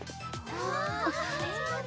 あ。